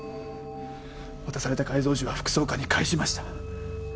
渡された改造銃は副総監に返しました。